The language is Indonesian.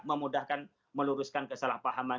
memudahkan meluruskan kesalahpahaman